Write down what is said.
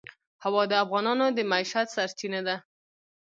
هوا د افغانانو د معیشت سرچینه ده.